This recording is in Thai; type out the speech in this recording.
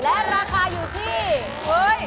และราคาอยู่ที่